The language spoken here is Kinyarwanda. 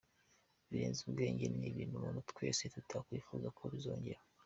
Birenze ubwenge, ni ibintu umuntu twese tutakwifuza ko bizongera.